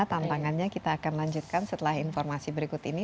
tantangannya kita akan lanjutkan setelah informasi berikut ini